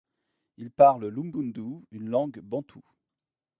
Ils parlent l'umbundu, une langue bantoue.